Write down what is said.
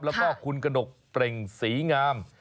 แล้วก็คุณกนกเปร่งสีงาม